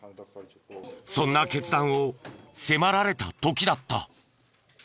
そんな決断を迫られた時だった。